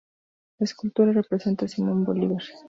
La escultura representa a Simón Bolívar.